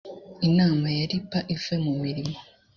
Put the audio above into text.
inama ya ripa ivuye mu mirimo.